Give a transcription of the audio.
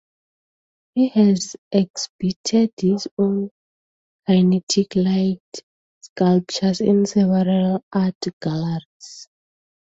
He has exhibited his own kinetic light sculptures in several art galleries.